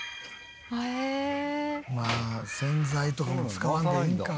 まあ洗剤とかも使わんでいいんか。